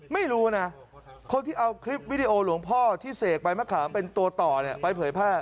ไม่รู้นะคนที่เอาคลิปวิดีโอหลวงพ่อที่เสกใบมะขามเป็นตัวต่อไปเผยแพร่